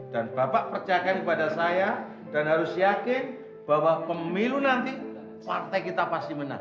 dan bapak percayakan pada saya dan harus yakin bahwa pemilu nanti partai kita pasti menang